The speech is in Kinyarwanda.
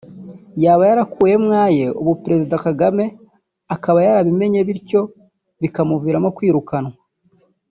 yaba yarakuyemo aye ubu Perezida Kagame akaba yarabimenye bityo bikamuviramo kwirukanwa